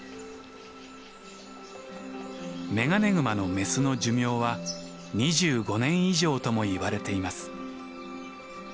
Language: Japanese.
メガネグマのメスの寿命は２５年以上ともいわれています。